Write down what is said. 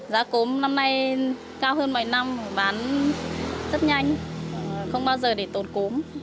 giá cốm năm nay cao hơn mọi năm bán rất nhanh không bao giờ để tổn cốm